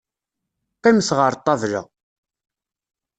Qqimet ɣer ṭṭabla.